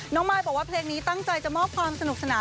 มายบอกว่าเพลงนี้ตั้งใจจะมอบความสนุกสนาน